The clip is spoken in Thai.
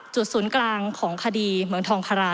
ศูนย์กลางของคดีเมืองทองคารา